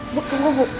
ibu tunggu bu